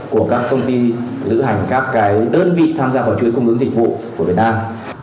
của các công ty lữ hành các đơn vị tham gia vào chuỗi cung ứng dịch vụ của việt nam